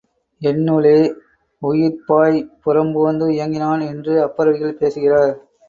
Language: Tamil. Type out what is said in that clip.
என்னுளே உயிர்ப்பாய்ப் புறம்போந்து இயங்கினான் என்று அப்பரடிகள் பேசுகிறார்.